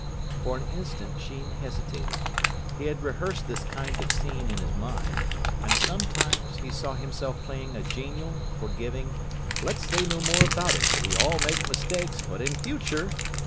For an instant Sheen hesitated. He had rehearsed this kind of scene in his mind, and sometimes he saw himself playing a genial, forgiving, let's say no more about it we all make mistakes but in future!